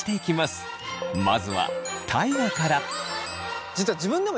まずは大我から！